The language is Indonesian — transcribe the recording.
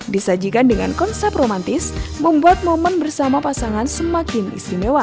disajikan dengan konsep romantis membuat momen bersama pasangan semakin istimewa